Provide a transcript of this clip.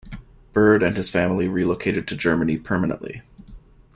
Bird and his family relocated to Germany permanently.